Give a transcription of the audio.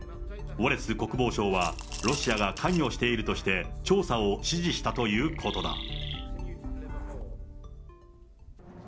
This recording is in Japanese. ウォレス国防相は、ロシアが関与しているとして、調査を指示したということだ。